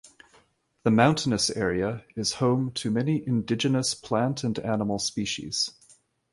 The mountainous area is home to many indigenous plant and animal species.